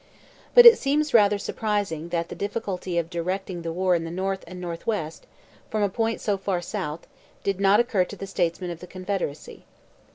But it seems rather surprising that the difficulty of directing the war in the North and North West, from a point so far south, did not occur to the statesmen of the Confederacy.